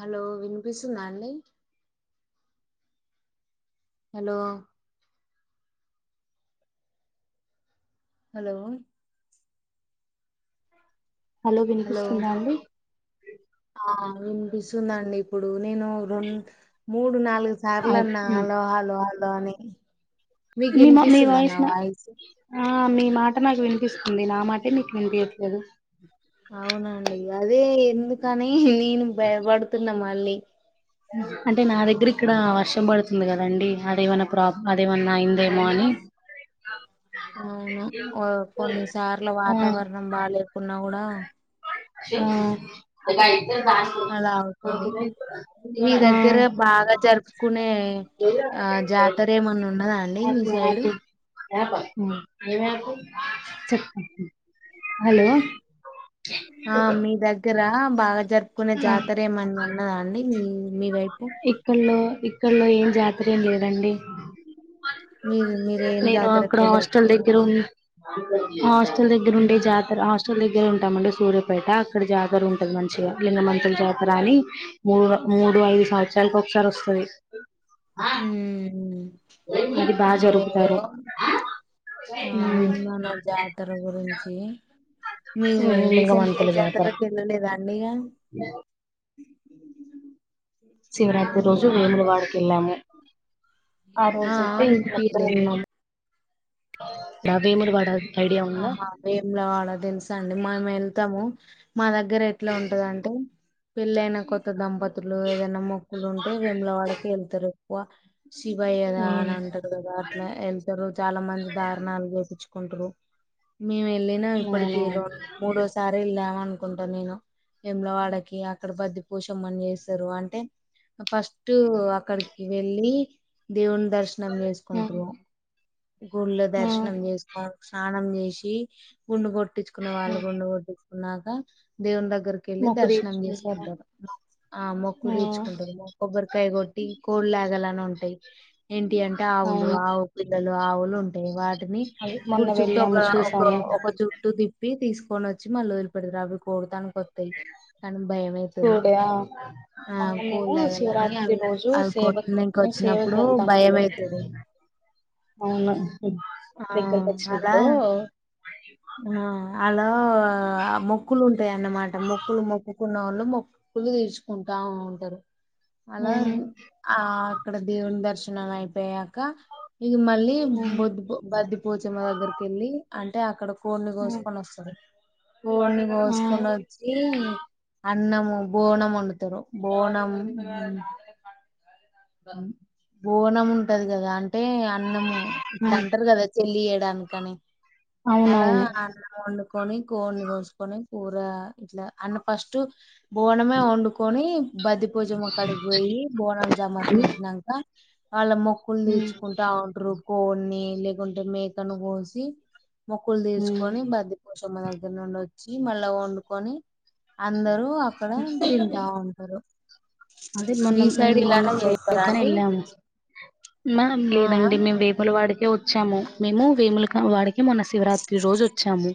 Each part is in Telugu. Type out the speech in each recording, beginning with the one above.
హలో వినిపిస్తుందా అండి హలో హలో హలో వినిపిస్తుందా అండి ఆ వినిపిస్తుందండి ఇప్పుడు ఇప్పుడు నేను రెండ్ మూడు నాలుగు సార్లున్నా అండి హలో హలో దాని మీకు వినిపిస్తుంద నా వాయిస్ ఆ మీ మాట నాకు వినిపిస్తుంది నా మాట మీకు వినిపియట్లేదు అవునా అండి అదే ఎందుకని కని నేను భయపడుతున్నామా అన్ని అంటే నా దగ్గరకి ఇక్కడ వర్షం పడుతుంది కదండి అదేమన్నా ప్రాబ్ అదేమన్నా అయిందేమో అని అవును కొన్నిసార్లు ఆ వాతావరణం బాగా లేకున్నా కూడా ఆ హ్మ్ అలా అవుతుంది మీ దగ్గర బాగా జరుపుకునే ఆ జాతర ఏమన్నా ఉన్నదా అండి మీ సైడు జాతర హలో ఆ మీ దగ్గర బాగా జరుపుకునే జాతర ఏమన్న ఉన్నదా అండి మీ వైపు ఇక్కడలో ఇక్కడలో ఏం జాతర ఎంలేదండి మీరు మీరు ఏం నేను జాతర అక్కడ ఎక్కువ హాస్టల్ జరుపుకోరా దగ్గర ఉన్ మ హాస్టల్ దగ్గర ఉండే ఉమ్. జాతర హాస్స్ట హాస్టల్ దగ్గర ఉంటామండి సూర్యపేట అక్కడ జాతర ఉంటది మంచిగా లింగమంచం జాతర అని మూడు మూడు ఐదు సంవత్సరాలకు ఒకసారి వస్తది హు హు అది బాగా అదే అదే జరుపుతారు ఆ విన్మాను ఆ జాతర కూడా గగురించి మీరు రీసెంట్ గా ఏ లింగమంతుల జాతర జాతరకి వెళ్ళలేదాన్ అమెగా శివరాత్రి రోజు రోజు వేములవాడకెల్లాము ఆ ఆ రోజయితే ఇట్లంతా వినిపియలేదు ఉన్నాము ఆ వేములవాడ ఐడియా ఉందా అవునా ఆహా వేములవాడ తెలుసండి మేము వెళ్తాము మా దగ్గర ఎట్లా ఉంటదంటే పెళ్ళయినా కొత్త దంపతు పంతులు ఏదైనా మొక్కులుంటే వేముల వాడకి వెళ్తరు వా శివయ్యదా అని అంటరు కదా అట్లా ఎళ్తరు చాలా మంది దారణాలు చేపుచు కొంటరు మేము వెళ్ళినాం ఇప్పటికి రెండో మూడోసారి వెళ్లాం అను అకుంటాను నేను వేములవాడకి అక్కడ బంతి పోచమ్మని చేస్తారు అంటే ఫస్ట్ అక్కడికి వెళ్ళి దేవునీ దర్శనం చేేసుకుంటరు గుళ్ళ దర్శనం చేసుకో స్నానం నం చేసి గుండ్లు కోట్ కొట్టించుకునే వాళ్ళ గుండ కొడ్టించుకున్నారు దేవుందగ్గర దగ్గరిక వెళ్ళి మొక్కు దర్శనం తీర్చుకుంటారు చేసుకుంటారు ఆ మొక్కు తీర్చుకుంటారు కొబ్బరికాయ కాయ కొట్టి కోళ్ లాగాలనీ ఉంటాయి ఏంటి అంటే ఆవులు అవును ఆవు ఆవులు ఉంటాయి వాటి ని అవి మొన్న గుడి చుట్టూ ఒక వెళ్ళాము ఒక చూసాము ఒక చుట్టూ తిప్పి వి తీసుకొని వచ్చి మల్ల వదిలి పెడుతారు అవిడు కోడతానికి కొత్తాయి కానీ భయం టూ అయితది డే ఆ ఆ మొన్న మేము కూల్లేగాలని శివరాత్రి అవి రోజు అవి సేవకి కొట్డానికి మేము సేవకి వచ్చినప్పుడు భయం వెళ్తామండి అయితది అవును ఆ దగ్గరకి అలా వచ్చినప్పుడు ఆ అలా మొక్కులు ఉంటాయిన్నమాట మొక్కులు మొక్కుకున్న వాళ్ళు మొక్కులు తీర్చుకుంటా ఉంటారు అలా మ్మ్ ఆ అక్కడ దేవుని దర్శనం ణ అయిపోయాక ఇగ మళ్ళీ మ్మ్ బొద్ బద్దిపోచమ్మ దగ్గరకి వెళ్ళి అంటే అక్కడ కోడిని మ్మ్ కోసుకొని వస్తాడు కొన్ని మ్మ్ పోసుకొని వచ్చి అన్నము బోనం వండుతారు బోనం బోనం ఉంటది కదా అంటే అంటే అన్నము ఇట్లా మ్మ్ అంటారు కదా తెలియడాని కనే అలా అవునవును అన్నం వండుకొని కోడిని కోసుకొని కుర ఇట్లా అన్న ఫస్ట్టు బోనమే వండుకొని బది భుజమ్మ గాడికి పోయి బోనం జమర్ నాంక వాళ్ళ మొక్కులు మ్మ్ తీర్చుకుంట ఉంట్రు కోన్ని లేకుంటే మేకను కోసి మొక్కులు మ్మ్ తీసుకొని బద్దపో సమ్మ దగ్గర నుండి వచ్చి మళ్ళా వండుకొని అందరూ అక్కడ తింటా ఉంటారు అదే మొన్న మీ మే సైడ్ ఇలానే మొనసే చేస్తారా పక్కన అండి ఏళ్ళాము ఆ లేదండి మేము వేముల వాడికే వచ్చాము మేము వేముల వాడికి మొన్న శివరాత్రి రోజు వచ్చాము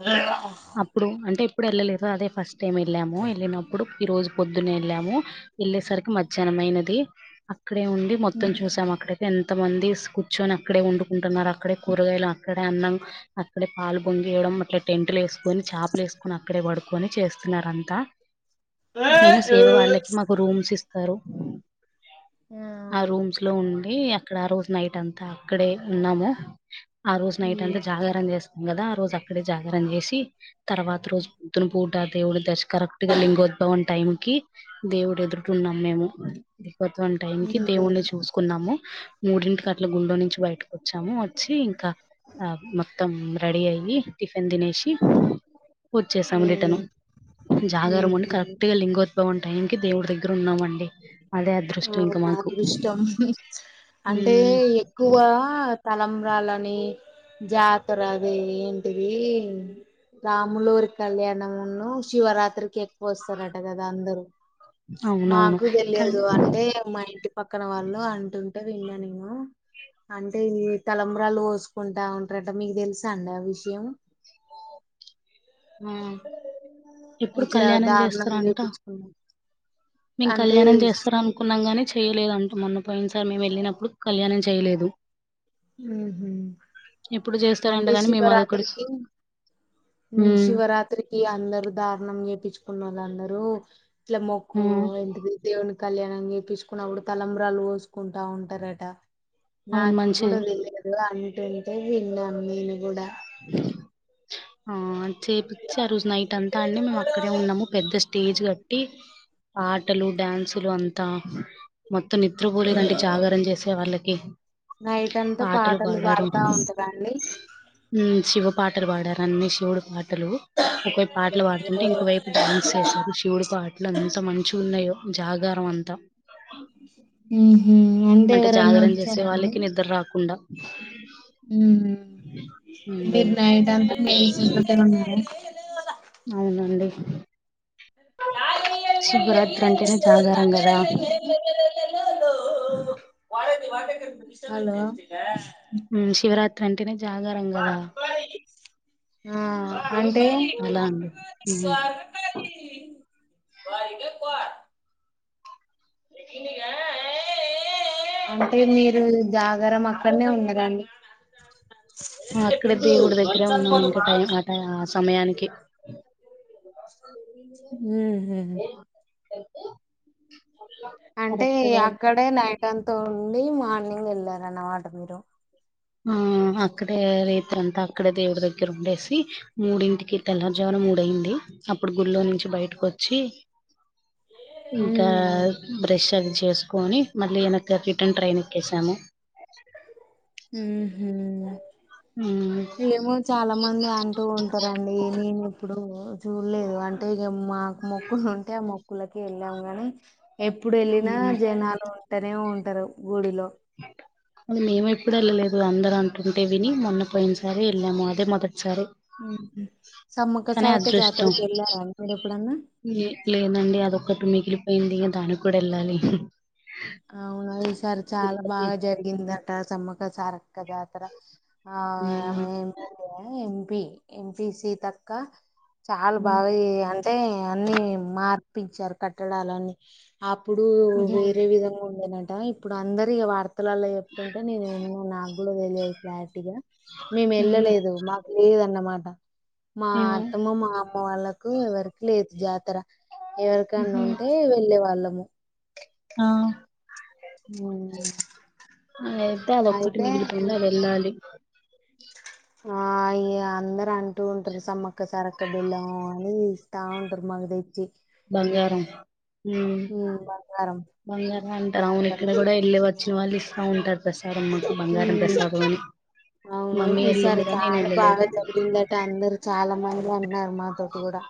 ఆ అప్పుడు అంటే ఎప్పుడు ఏళ్ళలేదు అదే ఫస్ట్ టైం వెళ్ళాము వెళ్ళినప్పుడు ఈ రోజు పొద్దున వెళ్ళాము వెళ్ళేసరికి మధ్యాహ్నంమైనది అక్కడే ఉండి మొత్తం చూసాం ఉమ్, అక్కడైతే ఎంత మంది కూర్చొని అక్కడే ఉండు టున్నారు అక్కడే కూరగాయలు అక్కడే అన్నం అక్కడే పాలు పొంగియడం అట్లే టెంట్లు వే కొని చాపలు ఏసుకొని అక్కడే పడుకొని చేస్తున్నారు అంతా మేము సేవ వాళ్ళకి మాకు రూమ్స్ ఇస్ తరు ఆ రూమ్స్ లో ఉన్ అక్కడ రోజు నైట్ అంతా అక్కడే ఉన్నాము ఆ రోజు నైట్ అంతా ఉమ్ జాగారం చేస్తాం కదా రోజు అక్కడే జాగరం చేసి తర్వాత రోజు పొద్దున పూట దేవుడు దశ కరెక్ట్ గా లింగోద్భవం టైం కి దేవుడు ఎదురుట ఉన్నాం మేము వం టైం కి ఉమ్ దేవుణి చూసుకున్నాము మూడింటికి అట్ల గుళ్ళో నుంచి బయటకు వచ్చాము వచ్చి ఇంకా ఆ మొత్తం రెడీ అయ్యి టిఫిన్ దినీ వచ్చేసామడిటను ఉమ్. జాగర అండి ఉహు కరెక్ట్ గా లింగోద్భవం ఉంట టైం క దేవు దగ్గర ఉన్నాండి నా ఇష్టం అంటే ఉమ్ ఎక్కువ కలంబ్రాాలని జాతర అది ఏంటిది రాములరి కళ్యాణము శివరాత్రికి ఎక్కువ వస్తారట కదా అందరుూ అవునవును కల్ తెలియదు అంటే మా ఇంటి పక్కన వాళ్ళు అంటు అ విన్నా నేను అంటే తలబరాలుు పోసుకుంటా ఉంటారంట మీకు తెలుసా అండి ఆ విషయం ఆ ఎప్పుడు ఇట్లా కళ్యాణం దారుణం చేస్తారంట చేపించుకున్నా మేం అంటే కళ్యాణం చేస్తార అనుకున్నాం గానీ చేయలేదు అంటూ మొన్న పోయింది సార్ మేము వెళ్ళినప్పుడు కళ్యాణం చేయలేదు ఉ ఎప్పుడు చేస్తారంట అంటే గాని మేము అదొకటి శివరాత్రికి ఉమ్ శివరాత్రికి అందరు దారుణం నప్పించుకున్న వాళ్ళు అందరూ ఇట్లా ఆ మొకువ ఎంటి దేవు కళ్యాణం చేయిుకున్న అప్పుడు తలంబరాలు పోసుకుంటా ఉంటారట అవును నాకు కూడా మంచిది తెలియదు అ అంటే విళ నీను కూడా ఆ చేపచ్చి ఆ రోజు నైట్ అంతా అండి మేము అక్కడే ఉన్నాము పెద్ద తేజ్ కట్టి ఆటలు డ్యాన్సులు అంతా మ కొత్త నిద్రపోూలిలాంటి ఉమ్. జాగరణ చేసే వాళ్ళకి నైట్ అంతా పాటలు పాడారు పాడుతా ఉంటారండి శివు పాటలు పాడారు అన్ని శివుడు పాటలు ఒకవైపు ఆటలు పాడుతుంటే ఇంకోవైపు డ్యాన్స్ చేసారు శివుడికి ఆటలు అ అంత మంచి ఉన్నాయో జాగారం అంతా ఉ అంటే ఎవరన్నా జాగరణ చేసే వచ్చారంండి వాళ్ళకి నిద్ర రాకుండా మీరు ఉమ్ నైట్ అంతా మేల్ చపి ఉన్నారు అవునండి శివరాత్రి అంటేనే జాగారం కదా అ హలో వెంటనే ఆ అంటే అలా అండి ఉమ్ అంటే మీరు జాగరం అక్కడనే ఉన్నరండి అక్కడే దేవుడి దగ్గరే ఉన్నాం ఇంకా టై ఆ ట ఆ సమయానికి ఉహూ అంటే కరెక్ట్ గా అక్కడే నైట్ అంత వు నీ మార్నింగ్ వెళ్లారన్న మాట మీరు అక్కడే రేత్రిఅంత అక్కడే దేవుడి దగ్గర ఉండేసి మూడింటికి తెల్లారుజావన మూడయింది అప్పుడు గులో నుంచి బయటకు వచ్చి ఇంకా ఉమ్ బ్రెష్ ఆది చేసుకొని మళ్లీ వెనక్కి రిటర్న్ ట్రైన్ ఎక్కేసాము ఉహూ ఉమ్ ఏమో చాలా మంది అంటూ ఉంటారండి నేను ఎప్పుడు చూడలేదు అంటే ఇగ మాకు మొక్కులు ఉంటే ఆ మొక్కులకి వెళ్ళాంగాని ఎప్పుడు ఏళ్ళినా ఉమ్ జనాలు ఉ ఉట్టనే ఉంటారు గుడిలో మేము ఎప్పుడు వెళ్ళలేదు అందరూ అంటుంటే విని మొన్నపోయిన సరే వెళ్ళాము అదే మొదటి సమ్మక్క కానీ సారక్క జాతరకి ఏళ్లారా మీరు ఎప్పుడన్నా లే లేదండి అదొక్కటి మిగిలిపోయింది ఈగ దానికి కూడా ఏళ్ళాలి అవునా ఈ సారి చాలా బాగా జరిగిందండి సమ్మక్క సారక్క జాతర ఆ ఉమ్, ఆమె పి ఎంపిసితక్క చాలా ఉమ్, బాగాయి అంటే అన్ని మార్ ప్పించారు కట్టడాలన్నీ అప్పుడు ఉహుం, వేరే విధంగా ఉండేనట ఇప్పుడు అందరి వార్త పత్తులలో చెప్తుంటే నేను విన్నాను నాకు తెలియదు క్లారిటీగా మేము ఉమ్, ఏళ్ళలేదు మాకు లేదన్నమాట మా ఆ అత్తమ్మ మా అమ్మ వాళ్ళలకు ఎవరికి లేదు జాతర ఎవరికన్నా ఉహుం, ఉంటే వెళ్లేవాళ్ళం ఆ హ అ అయితే అది ఒక్కటి మిగిలిపోయింది అది వెళ్ళాలి ఆ అందరు అంటూ ఉంటారు సమ్మక్క సరక్క బెల్లం అని ఇస్తా ఉంటారు మగ తెచ్చి బంగారం ఉ ఉమ్ బంగారం బంగారం అంటారు అవును ఇక్కడ కూడా వెళ్ళ వచ్చిన వాళ్ళు ఇస్తా ఉంటారు ప్రసాదం మాకు బంగారం ఉమ్ ప్రసాదం అని అవును మమ్మీ ఈసారి వెళ్ళింది కానీ చాలా నేను వెళ్ళలేదు వన్ ఎన్నారుమా తోటి కూడాడ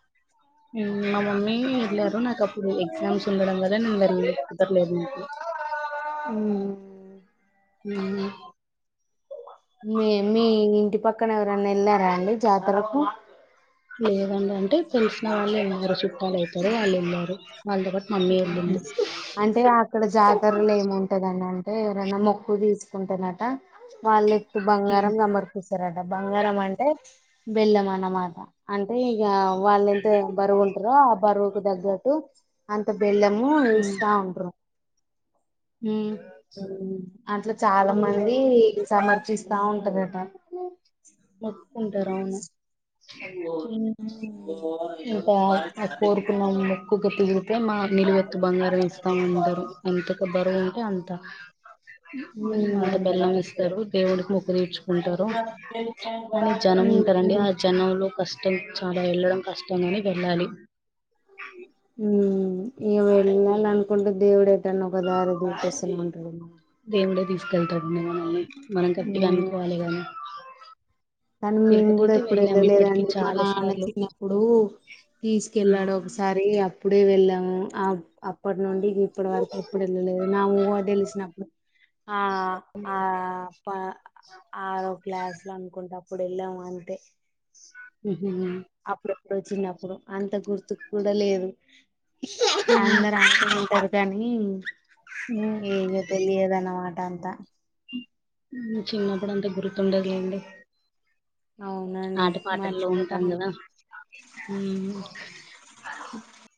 ఉ ఇన్నీ వెళ్ళారు నాకు అప్పుడు ఎగ్జామ్స్ ఉండడం వల్ల నేను వె కుదర్లేదు నాకు ఉహ్ ఆ మీ మీ ఇంటి పక్కన ఎవరన్నా వెళ్లారా అండి జాతరకు లేదండి అంటే తెలిసిన వాళ్ళు విన్నారు చుట్టాలు అయితడ వాళ్ళు విన్నారు అంటే అక్కడ జాతరలు ఏముంటదండి అ అ ఎవరైనా మొక్కువ తీసుకుంటేనట వాళ్ళ బంగారం సమర్పి ట బంగారం అంటే బెల్లం అన్నమాట అంటే ఇక వాళ్ళ ఎంత బరుగుంట బర్వుకు దగ్లటు అంత వెళ్ళమూ నేసా ఉంట హ అట్లా చాలా మంది ఇద్దరు సమర్చిస్త బాగుంటా గటా మొక్కుంటార అవును ఓఓ ఇంకా ఆ కోరుకున్న మొక్కుకు తిగితే మా నిలువెత్తు బంగారం ఇస్తా ఉంటారు ఎంతకు బరువు ఉంటే అంత ఉమ్ అంత బెల్లం ఇస్తారు దేవుడికి మొకు తీర్చుకుంటారు కానీ జనం ఉంటారంండి ఆ జనంలో కష్టం హట చాలా వెళ్ళడం కష్టం ని వెల్ళాలి ఉ ఇ వెళ్ళాలి అనుకుంటూ దేవుడు అయితాను ఇదరది పసన్ పంట వెళ్తా ని మనం కట్టిగా ఉమ్ అనుకోవాలి కానీ కానీ మేము కూడా ఎప్పుడు ఇప్పటికి వెళ్ళలేదండి మా చాలా నాన్న సార్లు చిన్నప్పుడు ఉమ్ తీసుకెళ్ళాడు ఒకసారి అప్పుడు అప్పుడే వెళ్ళాము ఆ అప్పటి నుండి ఇప్పటి వరకు ఎప్పుడు వెళ్ళలేదు నువో తెలిసిన ఆ ఆ ఆరో క్లాసులు అనుకుంటా అప్పుడు ఎలా వాంట హ ఇప్పుడు చిన్నప్పుడు అంత గుర్తుకు కూడా లేదు ఉమ్ అందర ఉంటారు జనీ ఏ ఉమ్, జతేలి ఏదానా వా ంటా అంత చిన్నప్పుడు అంత గుర్తుండదులేండి అవునండి ఆట పాటల్లో మర్చిపోతా ఉంటాం కదా